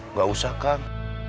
nggak usah kang